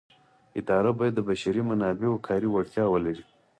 اداره باید د بشري منابعو کاري وړتیاوې ولري.